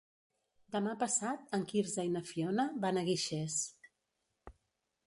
Demà passat en Quirze i na Fiona van a Guixers.